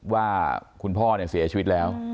ว่าคุณพ่อเสียชีวิตแล้ว